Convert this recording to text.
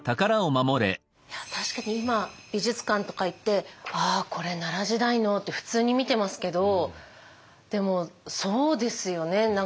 確かに今美術館とか行って「ああこれ奈良時代の」って普通に見てますけどでもそうですよね。